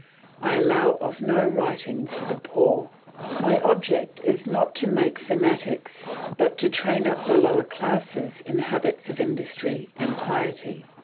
I allow of no writing for the poor. My object is not to make fanatics, but to train up the lower classes in habits of industry and piety."